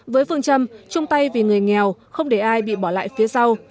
với phương châm chung tay vì người nghèo không để ai bị bỏ lại phía sau